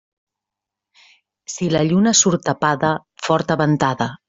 Si la lluna surt tapada, forta ventada.